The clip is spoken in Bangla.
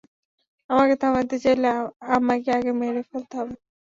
আমাকে থামাতে চাইলে, আমাকে আগে মেরে ফেলতে হবে।